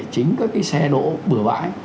chính các cái xe đỗ bửa vãi